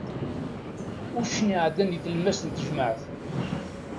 Uccen iɛeddan di tlemmast n tejmaɛt!